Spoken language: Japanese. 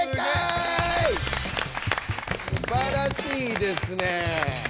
すばらしいですねえ。